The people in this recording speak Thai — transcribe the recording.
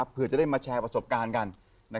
เพื่อจะได้มาแชร์ประสบการณ์กัน